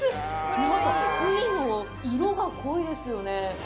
なんか、ウニの色が濃いですよね。